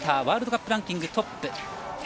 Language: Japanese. ワールドカップランキングトップ。